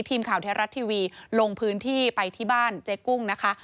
ทีมข่าวแท้รัฐทีวีลงพื้นที่ไปที่บ้านเจ๊กุ้งนะคะ